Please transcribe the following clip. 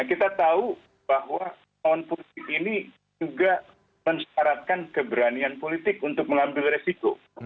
kita tahu bahwa lawan politik ini juga mensyaratkan keberanian politik untuk mengambil resiko